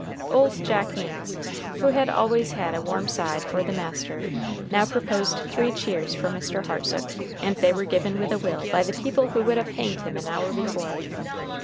Old Jack Means, who had always had a warm side for the master, now proposed three cheers for Mr. Hartsook, and they were given with a will by the people who would have hanged him an hour before.